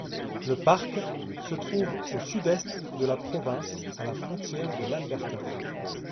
Le parc se trouve au Sud-est de la province à la frontière de l'Alberta.